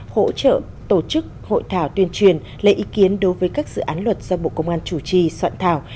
hỗ trợ tổ chức hội thảo tuyên truyền lấy ý kiến đối với các dự án luật do bộ công an chủ trì soạn thảo